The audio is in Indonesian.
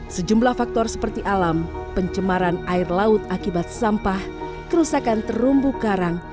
sejumlah faktor seperti alam pencemaran air laut akibat sampah kerusakan terumbu karang